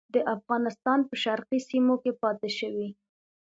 د افغانستان په شرقي سیمو کې پاته شوي.